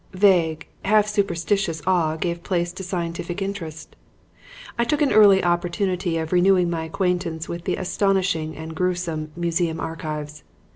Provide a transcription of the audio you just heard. Vague, half superstitious awe gave place to scientific interest. I took an early opportunity of renewing my acquaintance with the astonishing and gruesome "Museum Archives."